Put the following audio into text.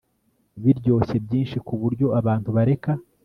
biryoshye byinshi ku buryo abantu bareka